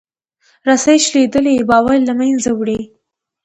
رسۍ شلېدلې باور له منځه وړي.